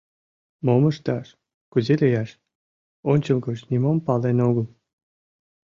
Мом ышташ, кузе лияш — ончылгоч нимом пален огыл.